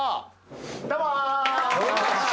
どうも。